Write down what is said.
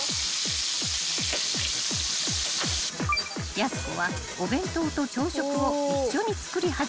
［やす子はお弁当と朝食を一緒に作り始めた］